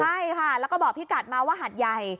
ใช่ค่ะแล้วก็บอกพี่กัดมาว่าหัดใหญ่